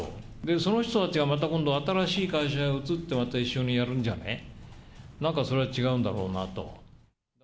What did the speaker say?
その人たちがまた今度、新しい会社に移って、また一緒にやるんじゃね、なんかそれは違うんだろうなと。